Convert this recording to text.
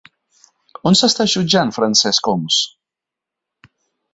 On s'està jutjant Francesc Homs?